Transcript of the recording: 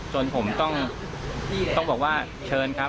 จนผมต้องบอกว่าเชิญครับ